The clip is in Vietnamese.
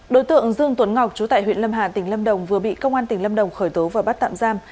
đối tượng dương tuấn ngọc chú tại huyện lâm hà tỉnh lâm đồng vừa bị công an tỉnh lâm đồng khởi tố và bắt tạm giam